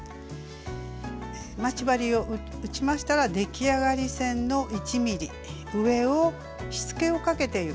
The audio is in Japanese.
待ち針を打ちましたら出来上がり線の１ｍｍ上をしつけをかけていきます。